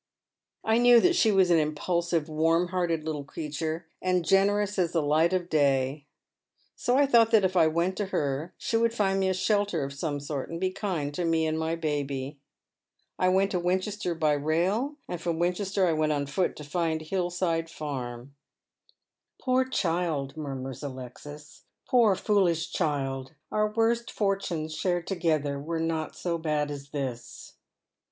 I knew that she was an impulsive, v/arm hearted little creature, and generous as the light of day. So I thought that if I went to her she would find me a shelter of some sort and be kind to me and my baby, I went to Winchester by rail, and from Winchester I went on foot to find Hill side Fann," " Poor child," murmurs Alexis, " poor foolish child — our worst fortunes shared together were not so bad as this."